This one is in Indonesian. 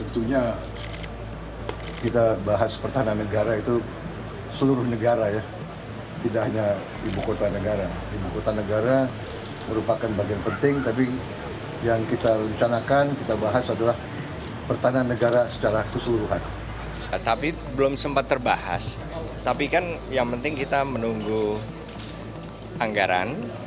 tapi belum sempat terbahas tapi kan yang penting kita menunggu anggaran